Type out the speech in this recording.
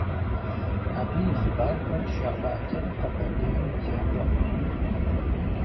Абы и хъыбархэр щаӀуатэр Къэбэрдейм и закъуэкъым.